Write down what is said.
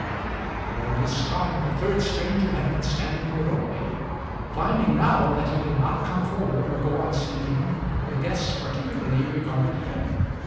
All this time the third stranger had been standing in the doorway. Finding now that he did not come forward or go on speaking, the guests particularly regarded him.